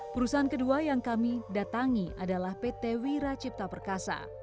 perusahaan kedua yang kami datangi adalah pt wira cipta perkasa